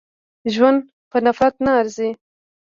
ژوند په نفرت نه ارزي.